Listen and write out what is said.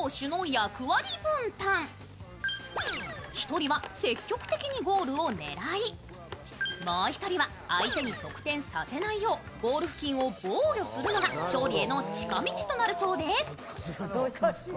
１人は積極的にゴールを狙い、もう１人は相手に得点させないようゴール付近を防御するのが勝利への近道となるそうです。